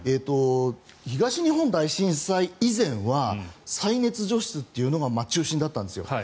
東日本大震災以前は再熱除湿というのが中心だったんですよ。